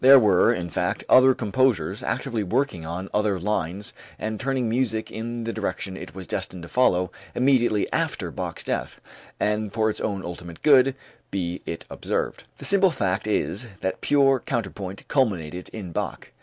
There were, in fact, other composers actively working on other lines and turning music in the direction it was destined to follow immediately after Bach's death and for its own ultimate good, be it observed. The simple fact is, that pure counterpoint culminated in Bach.